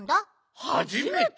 はじめて！？